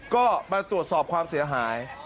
ก็มาตรวจสอบความเสียหาย